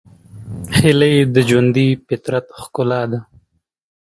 هیلۍ د ژوندي فطرت ښکلا ده